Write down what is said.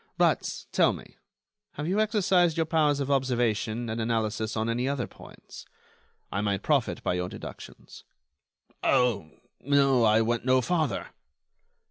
But, tell me, have you exercised your powers of observation and analysis on any other points? I might profit by your deductions." "Oh! no, I went no farther."